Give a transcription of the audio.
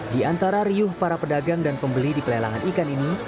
di antara riuh para pedagang dan pembeli di pelelangan ikan ini